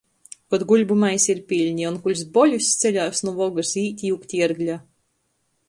Kod buļvu maisi ir pylni, onkuļs Boļuss ceļās nu vogys i īt jiugt Iergļa.